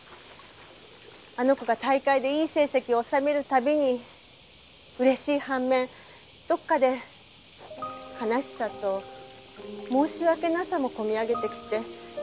あの子が大会でいい成績を収めるたびに嬉しい反面どこかで悲しさと申し訳なさもこみ上げてきて。